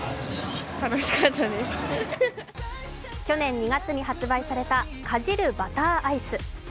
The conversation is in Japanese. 去年２月に発売されたかじるバターアイス。